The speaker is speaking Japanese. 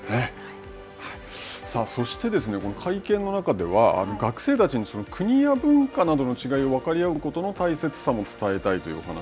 そして、会見の中では、学生たちに国や文化などの違いを分かりあうことの大切さを伝えたいと。